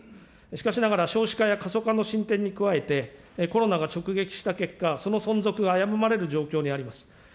しかしながら少子化や過疎化の進展に加えて、コロナが直撃した結果、その存続が危ぶまれる状況にあります。